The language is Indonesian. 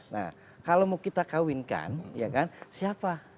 nah kalau mau kita kawinkan siapa